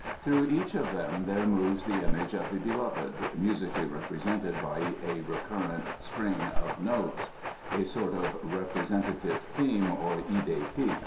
Through each of them there moves the image of the Beloved, musically represented by a recurrent string of notes—a sort of representative theme, or "idée fixe".